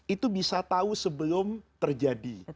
itu bisa tahu sebelum terjadi